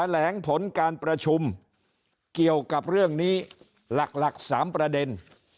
แหลงผลการประชุมเกี่ยวกับเรื่องนี้หลัก๓ประเด็น